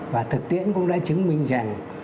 và thực tiễn cũng đã chứng minh rằng